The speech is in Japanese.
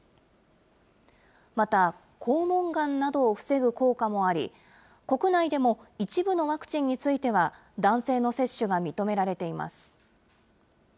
また、肛門がんなどを防ぐ効果もあり、国内でも一部のワクチンについては、男性の接種が認められています。